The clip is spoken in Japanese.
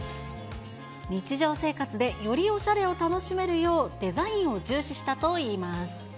日常生活でよりおしゃれを楽しめるよう、デザインを重視したといいます。